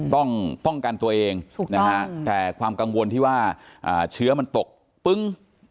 ต้องป้องกันตัวเองนะฮะแต่ความกังวลที่ว่าเชื้อมันตกปึ้ง